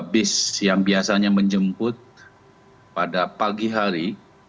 bis yang biasanya menjemput pada pagi hari